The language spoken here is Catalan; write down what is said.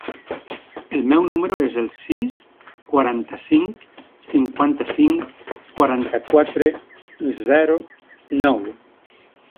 El meu número es el sis, quaranta-cinc, cinquanta-cinc, quaranta-quatre, zero, nou.